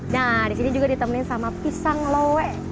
nah di sini juga ditemenin sama pisang lowe